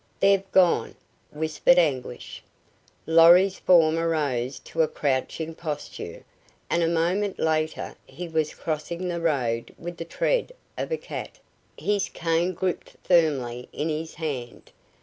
"They've gone," whispered Anguish. Lorry's form arose to a crouching posture and a moment later he was crossing the road with the tread of a cat, his cane gripped firmly in his hard.